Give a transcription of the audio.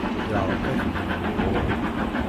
Iεreq-ak-d ubrid ɣur-i.